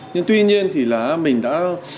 nhưng tuy nhiên thì là mình đã